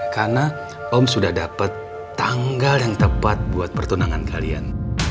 karena om sudah dapet tanggal yang tepat buat pertunangan kalian